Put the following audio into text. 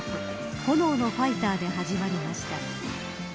炎のファイターで始まりました。